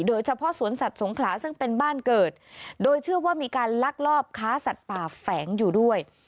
โดยเฉพาะสวนสัตว์สงขลาซึ่งเป็นบ้านเกิดโดยเชื่อว่ามีการลักลอบค้าสัตว์ป่าแฝงอยู่ด้วย